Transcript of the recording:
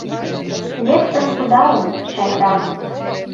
— Лектын кудалын, шайтан!